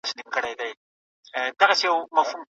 تعليم د ټولنې د ودې لامل دی.